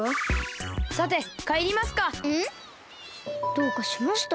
どうかしました？